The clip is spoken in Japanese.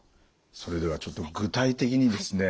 それではちょっと具体的にですね